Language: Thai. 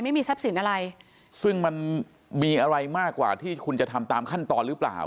ไม่มีทรัพย์สินอะไรซึ่งมันมีอะไรมากกว่าที่คุณจะทำตามขั้นตอนหรือเปล่า